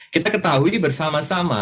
kita ketahui bersama sama